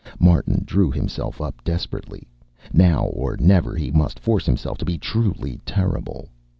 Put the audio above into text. Martin drew himself up desperately. Now or never he must force himself to be truly Terrible.